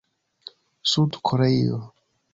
Sud Koreio